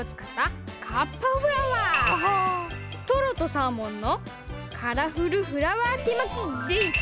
トロとサーモンのカラフルフラワーてまきでい！